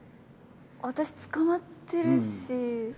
私、捕まってるし。